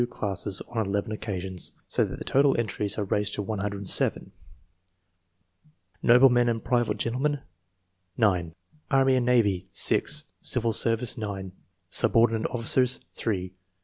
classes on eleven occcasions, so that the total entries are raised to 107 :— jN'oblemen and private gentlemen 9 Anny and navy, 6 ; civil service, 9 ; subordi nate officers, 3 ............